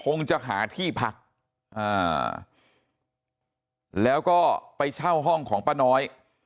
คงจะหาที่พักอ่าแล้วก็ไปเช่าห้องของป้าน้อย